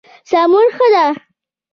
سمون ښه دی.